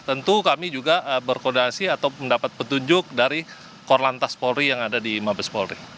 tentu kami juga berkoordinasi atau mendapat petunjuk dari korlantas polri yang ada di mabes polri